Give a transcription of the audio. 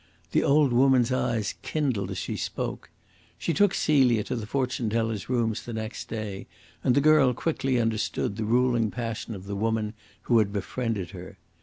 The old woman's eyes kindled as she spoke. She took Celia to the fortune teller's rooms next day, and the girl quickly understood the ruling passion of the woman who had befriended her.